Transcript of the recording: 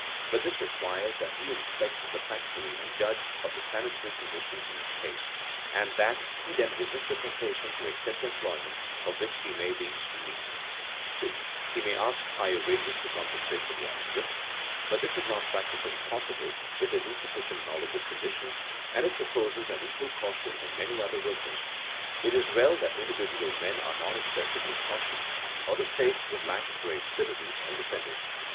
But this requires that he inspect the factory and judge of the sanitary conditions in each case, and that he then resist the temptation to accept employment of which he may be sorely in need. (2) He may ask higher wages to compensate for the added risk. But this is not practically possible with his insufficient knowledge of conditions, and it supposes an equal caution in many other workers. It is well that individual men are not excessively cautious, or the state would lack brave citizens and defenders.